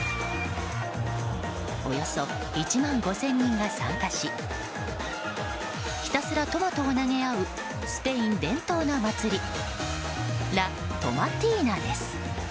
およそ１万５０００人も参加しひたすらトマトを投げ合うスペイン伝統の祭りラ・トマティーナです。